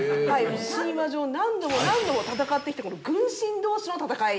神話上何度も何度も戦ってきた軍神同士の戦いであります。